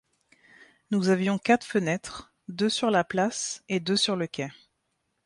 Nous avions quatre fenêtres, deux sur la place et deux sur le quai.